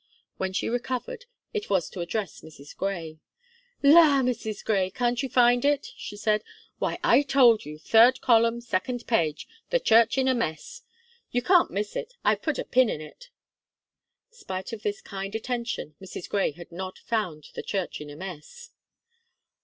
When she recovered, it was to address Mrs. Gray. "La, Mrs. Gray! can't you find it?" she said. "Why, I told you, third column, second page, 'The Church in a Mess.' You can't miss. I have put a pin in it." Spite of this kind attention, Mrs. Gray had not found "The Church in a Mess."